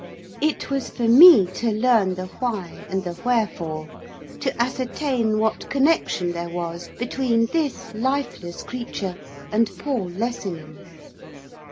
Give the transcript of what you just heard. It was for me to learn the why and the wherefore; to ascertain what connection there was between this lifeless creature and Paul Lessingham.